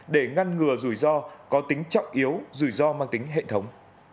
để ngăn ngừa rủi ro có tính trọng yếu rủi ro mang tính hệ thống